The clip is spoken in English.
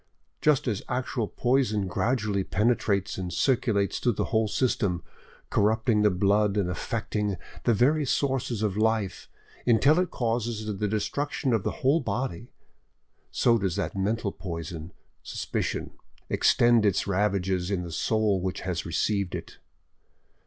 Just as actual poison gradually penetrates and circulates through the whole system, corrupting the blood and affecting the very sources of life until it causes the destruction of the whole body, so does that mental poison, suspicion, extend its ravages in the soul which has received it.